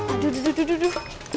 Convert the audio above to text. aduh duduk duduk duduk